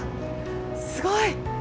すごい！